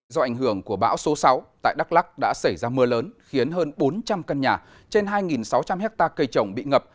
do ảnh hưởng của bão số sáu tại đắk lắc đã xảy ra mưa lớn khiến hơn bốn trăm linh căn nhà trên hai sáu trăm linh hectare cây trồng bị ngập